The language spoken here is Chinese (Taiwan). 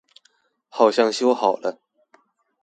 好像修好了